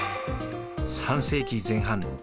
３世紀前半